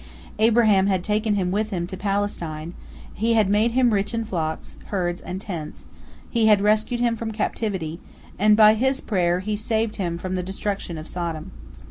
Abraham had taken him with him to Palestine, he had made him rich in flocks, herds, and tents, he had rescued him from captivity, and by his prayer he saved him from the destruction of Sodom.